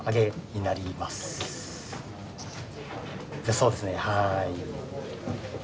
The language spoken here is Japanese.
そうですねはい。